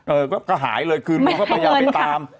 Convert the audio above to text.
เออก็หายเลยครึ่งว่าก็ไปตาม